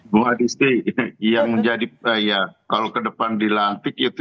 bu adiste kalau kedepan dilantik itu